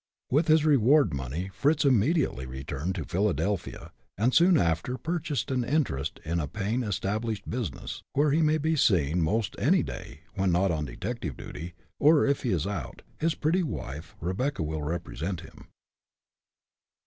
With his reward money, Fritz immediately returned to Philadelphia, and soon after purchased an interest in a paying established business, where he may be seen 'most any day, when not on detective duty, or if he is out, his pretty wife Rebecca will represent him.